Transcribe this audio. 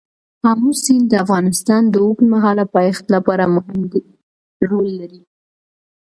آمو سیند د افغانستان د اوږدمهاله پایښت لپاره مهم رول لري.